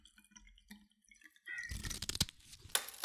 kwenye maeneo yaliyolenga magharibi mwa Ukraine